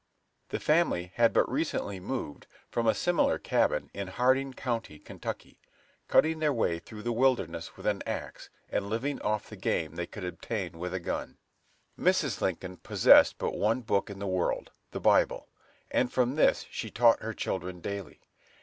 The family had but recently moved from a similar cabin in Hardin County, Kentucky, cutting their way through the wilderness with an ax, and living off the game they could obtain with a gun. Mrs. Lincoln possessed but one book in the world, the Bible; and from this she taught her children daily.